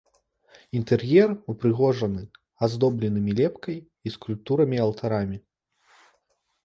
Інтэр'ер упрыгожаны аздобленымі лепкай і скульптурамі алтарамі.